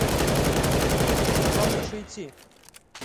Мик, вам лучше идти.